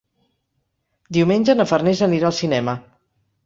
Diumenge na Farners anirà al cinema.